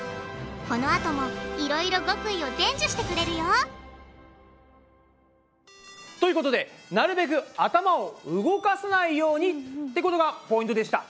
このあともいろいろ極意を伝授してくれるよ！ということでなるべく頭を動かさないようにってことがポイントでした！